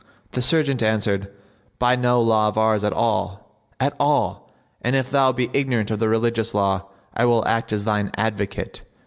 The serjeant answered, "By no law of ours at all, at all; and if thou be ignorant of the religious law, I will act as thine advocate."